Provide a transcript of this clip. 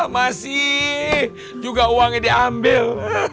masih juga uangnya diambil